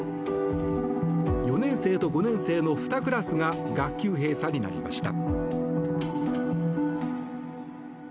４年生と５年生の２クラスが学級閉鎖になりました。